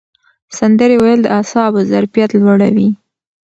سندرې ویل د اعصابو ظرفیت لوړوي.